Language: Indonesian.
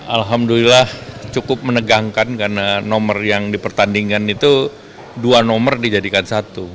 alhamdulillah cukup menegangkan karena nomor yang dipertandingkan itu dua nomor dijadikan satu